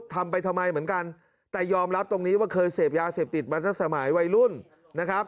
ทำไปทำไมเหมือนกันแต่ยอมรับตรงนี้ว่าเคยเสพยาเสพติดมาตั้งแต่สมัยวัยรุ่นนะครับ